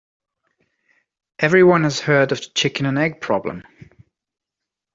Everyone has heard of the chicken and egg problem.